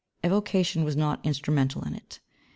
Evocation was not instrumental in it.